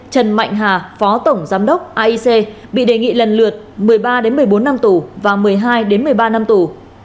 trần mạnh hà phó tổng giám đốc aic bị đề nghị lần lượt một mươi ba một mươi bốn năm tù và một mươi hai một mươi ba năm tù